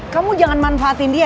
kamu jangan manfaatin dia